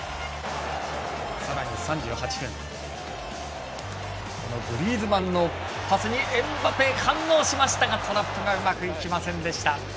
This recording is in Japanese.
さらに３８分グリーズマンのパスにエムバペ、反応しましたがトラップがうまくいきませんでした。